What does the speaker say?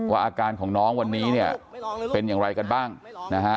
อาการของน้องวันนี้เนี่ยเป็นอย่างไรกันบ้างนะฮะ